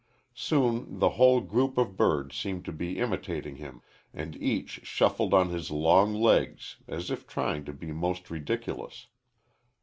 Soon the whole group of birds seemed to be imitating him, and each shuffled on his long legs as if trying to be most ridiculous.